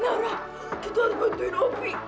laura kita ada bantuin opi